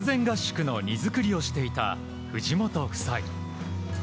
先月、直前合宿の荷造りをしていた藤本夫妻。